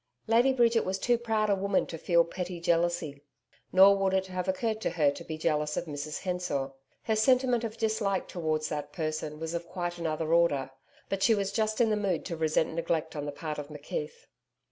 Lady Bridget was too proud a woman to feel petty jealousy, nor would it have occurred to her to be jealous of Mrs Hensor. Her sentiment of dislike towards that person was of quite another order. But she was just in the mood to resent neglect on the part of McKeith.